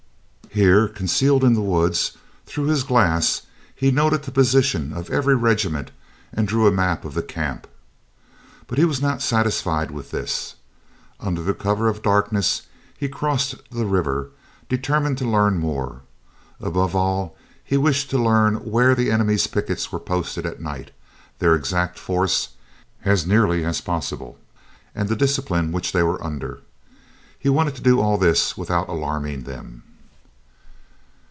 Here, concealed in the woods, through his glass he noted the position of every regiment, and drew a map of the camp. But he was not satisfied with this. Under the cover of darkness he crossed the river, determined to learn more. Above all, he wished to learn where the enemy's pickets were posted at night, their exact force, as nearly as possible, and the discipline which they were under. He wanted to do all this without alarming them.